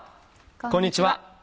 こんにちは。